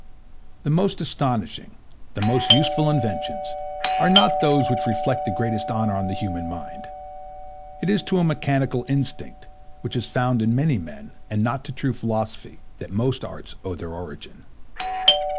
The most astonishing, the most useful inventions, are not those which reflect the greatest honour on the human mind. It is to a mechanical instinct, which is found in many men, and not to true philosophy, that most arts owe their origin.